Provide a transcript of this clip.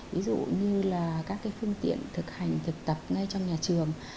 ví dụ như là các phương tiện thực hành thực tập ngay trong nhà trường